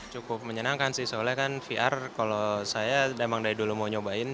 cukup menyenangkan sih soalnya kan vr kalau saya emang dari dulu mau nyobain